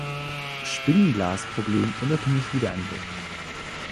Spinglas-Problem unabhängig wiederentdeckt.